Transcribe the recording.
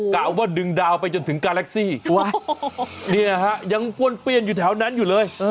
กล่าวว่าดึงดาวไปจนถึงกาแล็กซี่เนี่ยฮะยังป้วนเปี้ยนอยู่แถวนั้นอยู่เลย